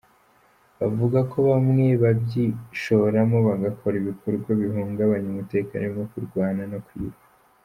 Bavuga ko bamwe babyishoramo bagakora ibikorwa bihungabanya umutekano birimo kurwana no kwiba.